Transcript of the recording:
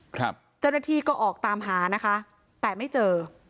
เจ้าหน้าที่ก็ออกตามหานะคะแต่ไม่เจอ